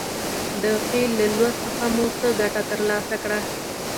د فعل له لوست څخه مو څه ګټه تر لاسه کړه.